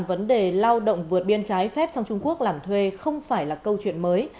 vấn đề lao động vượt biên trái phép sang trung quốc làm thuê không phải là câu chuyện mới